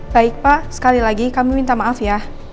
baik pak sekali lagi kami minta maaf ya